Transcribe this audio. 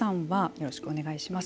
よろしくお願いします。